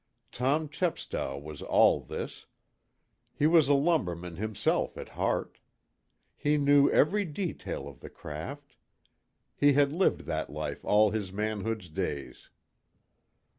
Tom Chepstow was all this. He was a lumberman himself at heart. He knew every detail of the craft. He had lived that life all his manhood's days.